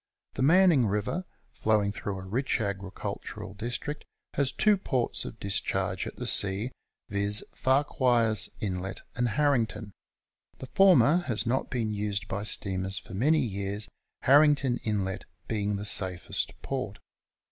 The Manning River, flowing through a rich agricul tural district, has two ports of discharge at the sea, viz., Earquhar's Inlet and Harrington. The former has not been used by steamers for many years, Harrington Inlet being the safest port.